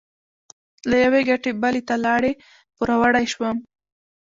له یوې ګټې بلې ته لاړې؛ پوروړی شوم.